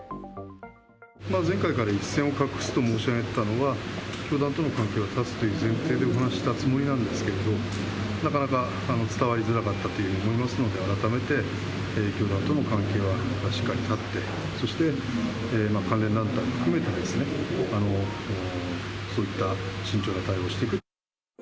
前回から一線を画すと申し上げてたのは、教団との関係を断つという前提でお話したつもりなんですけど、なかなか伝わりづらかったと思いますので、改めて、教団との関係はしっかり断って、そして関連団体も含めて、そういった、慎重な対応をしていく。